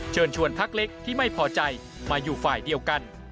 เชิญชวนพักเล็กที่ไม่พอใจมาอยู่ฝ่ายเดียวกัน